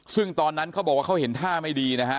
ซึ่งตอนนั้นเขาบอกว่าเขาเห็นท่าไม่ดีนะฮะ